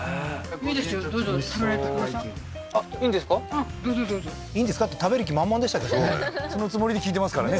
あとへえー「いいんですか？」って食べる気満々でしたけどねそのつもりで聞いてますからね